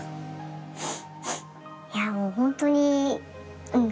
いやもうほんとにうん